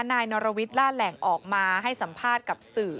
นายนรวิทย์ล่าแหล่งออกมาให้สัมภาษณ์กับสื่อ